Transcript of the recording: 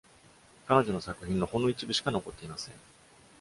彼女の作品のほんの一部しか残っていません。